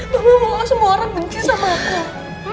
mama mau aku semua orang bencis sama aku